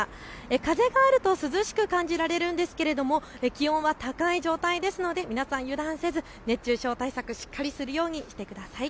風があると涼しく感じられるんですけれども気温は高い状態ですので皆さん、油断せず熱中症対策、しっかりするようにしてください。